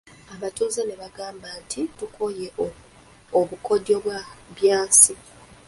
Abatuuze ne bagamba nti, tukooye obukodyo bwa Byansi.